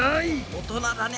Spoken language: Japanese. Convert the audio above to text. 大人だね。